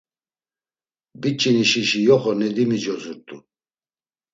Biç̌inişişi yoxo Nedimi cozurt̆u.